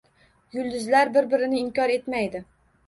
Yulduzlar bir-birini inkor etmaydi.